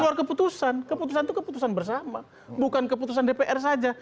keluar keputusan keputusan itu keputusan bersama bukan keputusan dpr saja